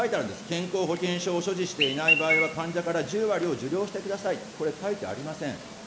健康保険証を所持していない場合は患者から１０割を受領してくださいと、これ、書いてありません。